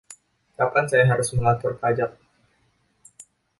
Kapan saya harus melapor pajak?